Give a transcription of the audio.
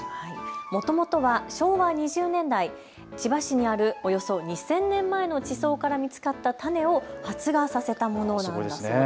もともとは昭和２０年代、千葉市にあるおよそ２０００年前の地層から見つかった種を発芽させたものなんです。